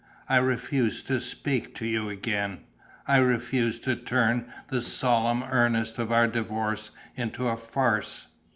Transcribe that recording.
I refuse to speak to you again. I refuse to turn the solemn earnest of our divorce into a farce."